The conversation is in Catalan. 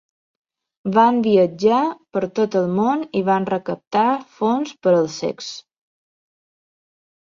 Van viatjar per tot el món i van recaptar fons per als cecs.